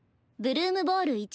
「ブルームボール」